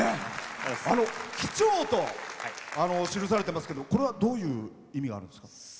「機長」と記されてますけどこれは、どういう意味があるんですか？